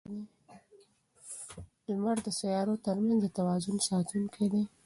لمر د سیارو ترمنځ د توازن ساتونکی دی.